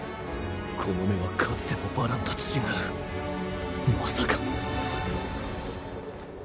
この目はかつてのバランと違うまさか